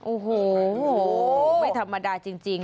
โอ้โหไม่ธรรมดาจริง